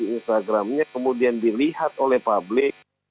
instagramnya kemudian dilihat oleh publik